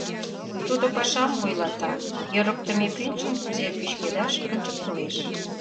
Тудо пашам вуйлата, йӧрыктымӧ пӱнчым кузе пӱчкедаш, ончыктылеш.